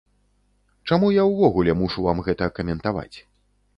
Чаму я ўвогуле мушу вам гэта каментаваць?